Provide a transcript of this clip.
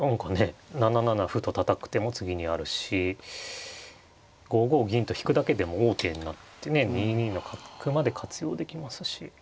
７七歩とたたく手も次にあるし５五銀と引くだけでも王手になってね２二の角まで活用できますし。